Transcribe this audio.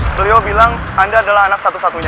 beliau bilang anda adalah anak satu satunya